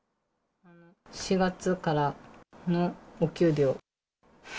４月からのお給料。